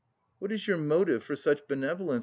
"What is your motive for such benevolence?"